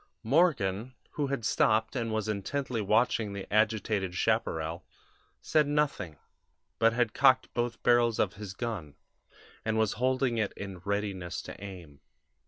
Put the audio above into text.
"Morgan, who had stopped and was intently watching the agitated chaparral, said nothing, but had cocked both barrels of his gun, and was holding it in readiness to aim.